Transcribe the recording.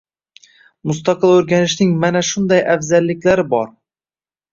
Mustaqil o’rganishning mana shunday afzalliklari bor